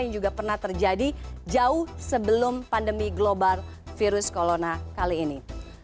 yang juga pernah terjadi jauh sebelum pandemi global virus corona kali ini